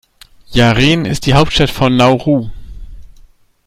Yaren ist die Hauptstadt von Nauru.